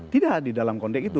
tidak di dalam konteks itu